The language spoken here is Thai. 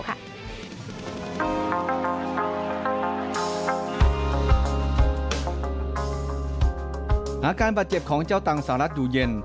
อาการบาดเจ็บของเจ้าตังสหรัฐอยู่เย็น